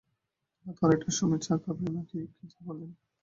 এই রাত আড়াইটার সময় চা খাব নাকি, কী যে বলেন!